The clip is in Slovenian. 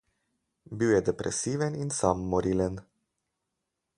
Bil je depresiven in samomorilen.